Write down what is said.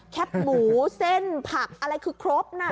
หมูเส้นผักอะไรคือครบนะ